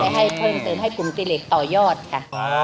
ให้เพิ่มเติมให้คุณตี้เหล็กต่อยอดค่ะ